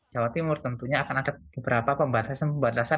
jawa timur tentunya akan ada beberapa pembatasan pembatasan